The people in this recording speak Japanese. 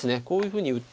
こういうふうに。